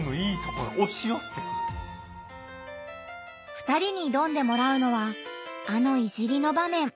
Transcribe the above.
２人に挑んでもらうのはあの「いじり」の場面。